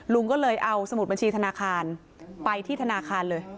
ลุงก็เลยเอาสมุดบัญชีธนาคารไปที่ธนาคารเลย